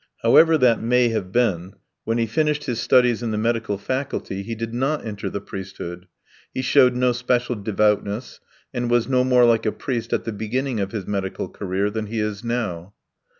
However that may have been, when he finished his studies in the medical faculty he did not enter the priesthood. He showed no special devoutness, and was no more like a priest at the beginning of his medical career than he is now.